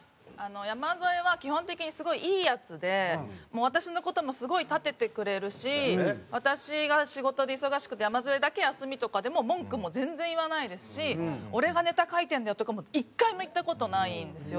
山添は基本的にすごいいいヤツでもう私の事もすごい立ててくれるし私が仕事で忙しくて山添だけ休みとかでも文句も全然言わないですし「俺がネタ書いてんだよ」とかも１回も言った事ないんですよ。